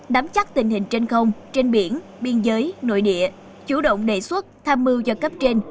nắm chắc tình hình trên không trên biển biên giới nội địa chủ động đề xuất tham mưu cho cấp trên